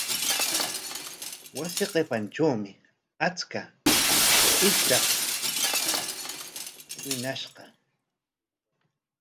Wasi qipantrawmi achka ishanka wiñashqa.